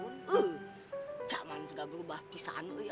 uh zaman sudah berubah pisani ya